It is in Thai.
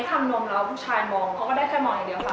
ทำนมแล้วผู้ชายมองเขาก็ได้แค่มองอย่างเดียวค่ะ